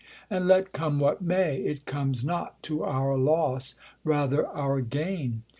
And let come what may, It comes not to our loss, rather our gain.